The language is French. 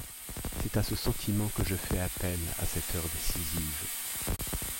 C’est à ce sentiment que je fais appel à cette heure décisive.